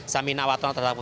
sampai jumpa di jamahnya